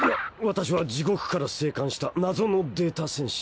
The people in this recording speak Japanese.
私は地獄から生還した謎のデータ戦士。